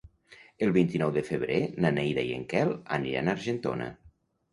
El vint-i-nou de febrer na Neida i en Quel aniran a Argentona.